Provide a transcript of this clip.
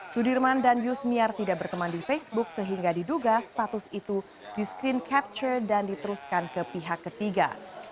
sudirman dan yusniar tidak berteman di facebook sehingga diduga status itu di screen capture dan diteruskan ke pihak ketiga